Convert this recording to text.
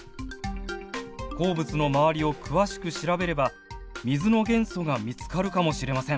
鉱物のまわりを詳しく調べれば水の元素が見つかるかもしれません。